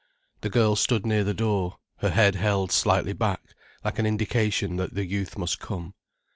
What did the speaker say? The girl stood near the door, her head held slightly back, like an indication that the youth must come.